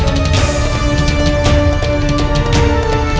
kau akan menang